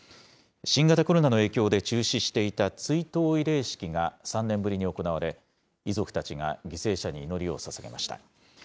新型コロナの影響で中止していた追悼慰霊式が３年ぶりに行われ、遺族たちが犠牲者に祈りをささげました。